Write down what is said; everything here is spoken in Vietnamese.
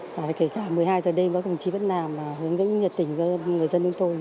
và kể cả một mươi hai giờ đêm các công chí vẫn làm hướng dẫn nhiệt tình cho người dân chúng tôi